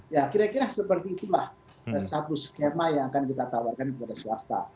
ya kira kira seperti itulah satu skema yang akan kita tawarkan kepada swasta